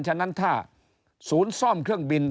ฉะนั้นถ้าศูนย์ซ่อมเครื่องบิน